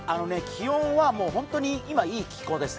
気温は本当に今いい気候です。